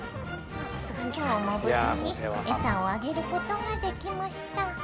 今日も無事に餌をあげることができました。